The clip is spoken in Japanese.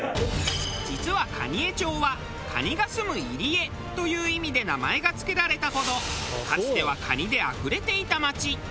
実は蟹江町は「蟹がすむ入り江」という意味で名前が付けられたほどかつては蟹であふれていた町。